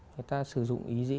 người ta sử dụng ý dĩ